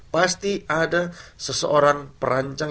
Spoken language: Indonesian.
pasti ada seseorang perancang